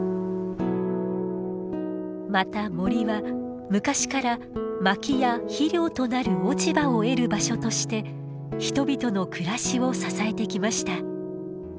また森は昔から薪や肥料となる落ち葉を得る場所として人々の暮らしを支えてきました。